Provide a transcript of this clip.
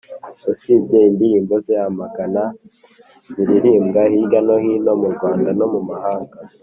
Usibye indirimbo ze amagana ziririmbwa hirya no hino mu Rwanda no mu mahanga